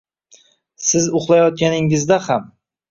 Siz uxlayotganingizda ham